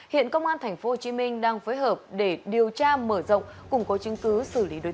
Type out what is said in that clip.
hiện công an tp hcm đang phối hợp để điều tra mở rộng củng cố chứng cứ xử lý đối tượng